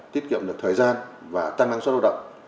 tiết kiệm được thời gian và tăng năng suất lao động